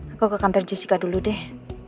aku ke kantor jessica dulu deh